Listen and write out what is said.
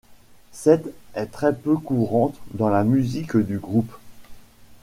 Cette est très peu courante dans la musique du groupe.